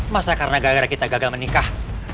masa karena gara gara kita gagal menikah